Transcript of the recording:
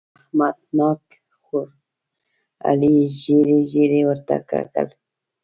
احمد ناک خوړ؛ علي ژېړې ژېړې ورته کتل.